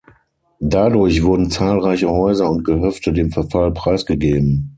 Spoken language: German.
Dadurch wurden zahlreiche Häuser und Gehöfte dem Verfall preisgegeben.